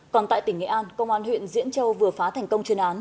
còn tại tỉnh nghệ an công an huyện diễn châu vừa phá thành công chuyên án